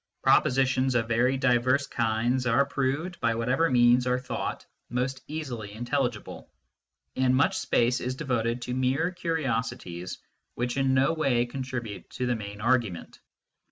Propositions of very diverse kinds are proved by whatever means are thought most easily intelligible, and much space is devoted to mere curiosities which in no way contribute to the main argument.